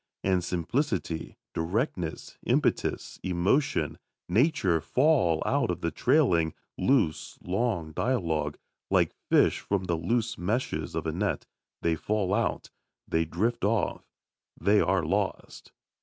And simplicity, directness, impetus, emotion, nature fall out of the trailing, loose, long dialogue, like fish from the loose meshes of a net they fall out, they drift off, they are lost.